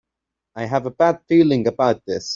I have a bad feeling about this!